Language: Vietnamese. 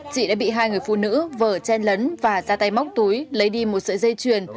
chị đã bị hai người phụ nữ vở chen lấn và ra tay móc túi lấy đi một sợi dây chuyền